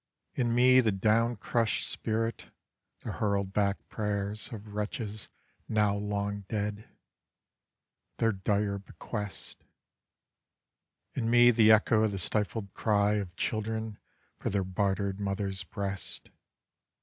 In me the down crushed spirit, the hurled back prayers Of wretches now long dead, their dire bequests. In me the echo of the stifled cry Of children for their bartered mothers' breasts.